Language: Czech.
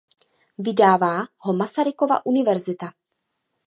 Vydává ho Masarykova univerzita.